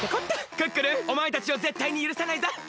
クックルンおまえたちをぜったいにゆるさないぞ！